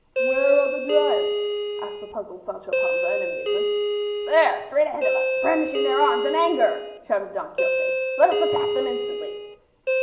"Where are the giants?" asked the puzzled Sancho Panza in amazement. "There, straight ahead of us, brandishing their arms in anger," shouted Don Quixote. "Let us attack them instantly."